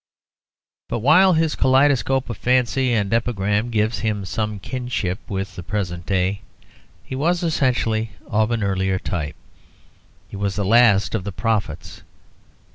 But while his kaleidoscope of fancy and epigram gives him some kinship with the present day, he was essentially of an earlier type: he was the last of the prophets.